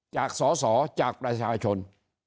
จากสอสอจากประชาชน